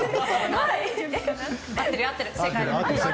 合ってる、合ってる。